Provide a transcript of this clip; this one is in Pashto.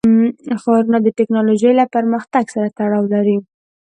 ښارونه د تکنالوژۍ له پرمختګ سره تړاو لري.